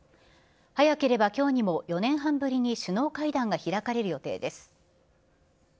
早ければきょうにも、４年半ぶりに首脳会談が開かれる予定です。